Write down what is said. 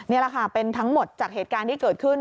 นี่แหละค่ะเป็นทั้งหมดจากเหตุการณ์ที่เกิดขึ้น